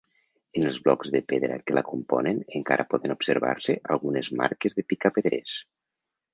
En els blocs de pedra que la componen encara poden observar-se algunes marques de picapedrers.